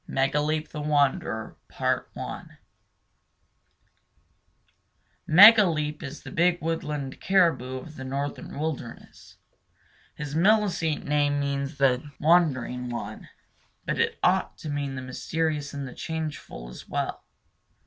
MEGALEEP THE WANDERER. [Illustration: Megaleep] Megaleep is the big woodland caribou of the northern wilderness. His Milicete name means The Wandering One, but it ought to mean the Mysterious and the Changeful as well.